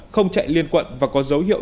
không chạy liên quận và có dấu hiệu